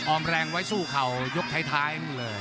ออมแรงไว้สู้เขายกถ้าย